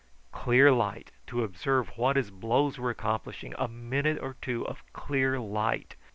Clear light, to observe what his blows were accomplishing; a minute or two of clear light!